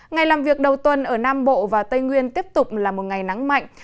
ngày làm việc đầu tuần ở nam bộ và tây nguyên tiếp tục là một ngày nắng mạnh